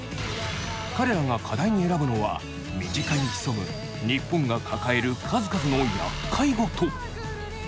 彼らが課題に選ぶのは身近に潜む日本が抱える数々のやっかいごと。